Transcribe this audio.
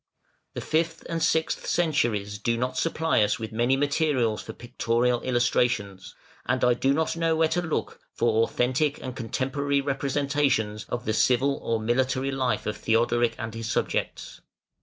The fifth and sixth centuries do not supply us with many materials for pictorial illustrations, and I do not know where to look for authentic and contemporary representations of the civil or military life of Theodoric and his subjects.